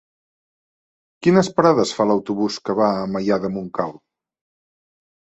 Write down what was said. Quines parades fa l'autobús que va a Maià de Montcal?